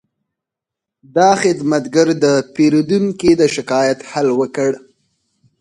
دا خدمتګر د پیرودونکي د شکایت حل وکړ.